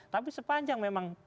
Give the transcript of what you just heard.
tapi sepanjang memang